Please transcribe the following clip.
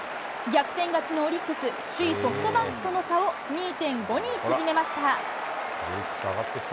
逆転勝ちのオリックス、首位ソフトバンクとの差を２．５に縮めました。